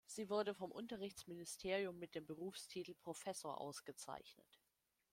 Sie wurde vom Unterrichtsministerium mit dem Berufstitel "Professor" ausgezeichnet.